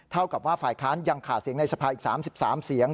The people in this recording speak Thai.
เท่ากับว่าฝ่ายค้านยังขาดเสียงในสภาอีก๓๓เสียง